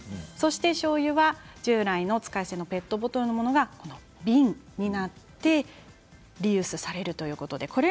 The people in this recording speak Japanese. しょうゆは従来の使い捨てペットボトルのものが瓶になってリユースされるということです。